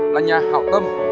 là nhà hào tâm